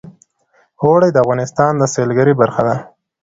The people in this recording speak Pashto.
اوړي د افغانستان د سیلګرۍ برخه ده.